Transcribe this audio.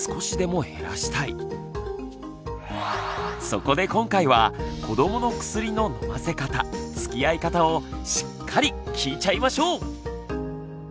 そこで今回は子どもの薬の飲ませ方つきあい方をしっかり聞いちゃいましょう！